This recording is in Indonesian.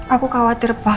aku khawatir pak